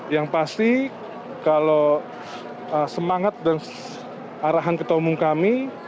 jadi kalau semangat dan arahan ketua umum kami